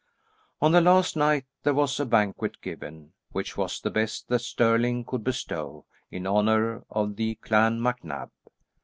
On the last night, there was a banquet given which was the best that Stirling could bestow, in honour of the Clan MacNab.